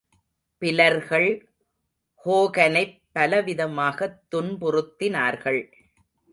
பிலர்கள் ஹோகனைப் பலவிதமாகத் துன்புறுத்தினார்கள்.